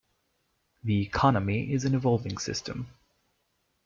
The economy is an evolving system.